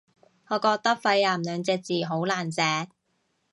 我覺得肺癌兩隻字好難寫